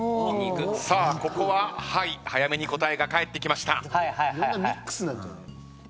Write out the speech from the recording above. さあここは「はい」早めに答えが返ってきました。